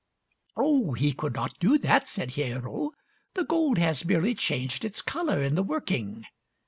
"Oh, he could not do that," said Hiero; "the gold has merely changed its color in the. working."